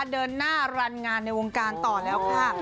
เดินหน้ารันงานในวงการต่อแล้วค่ะ